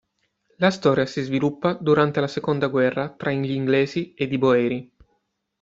La storia si sviluppa durante la seconda guerra tra gli Inglesi ed i Boeri.